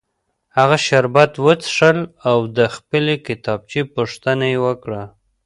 هغه شربت وڅښل او د خپلې کتابچې پوښتنه یې وکړه